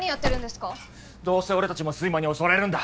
どうせ俺たちも睡魔に襲われるんだ！